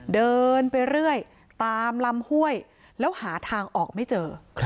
เดินไปเรื่อยตามลำห้วยแล้วหาทางออกไม่เจอ